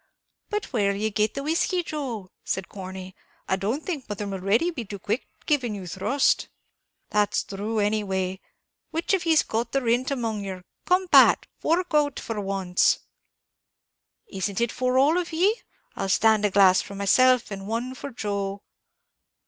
"But where'll ye get the whiskey, Joe?" said Corney; "I don't think mother Mulready 'll be too quick giving you thrust." "That's thrue any way; which of ye's got the rint among yer? come, Pat, fork out for once." "Is it for all of ye? I'll stand a glass for myself, and one for Joe."